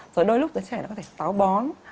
rồi đôi lúc giới trẻ nó có thể táo bón